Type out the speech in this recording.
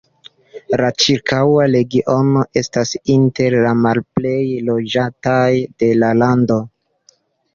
La ĉirkaŭa regiono estas inter la malplej loĝataj de la lando.